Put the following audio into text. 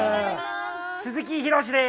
鈴木浩です。